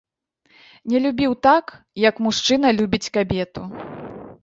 Не любіў так, як мужчына любіць кабету.